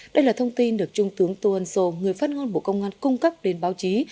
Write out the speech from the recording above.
đây là thông tin được trung tướng tô ân sô người phát ngôn bộ công an cung cấp đến báo chí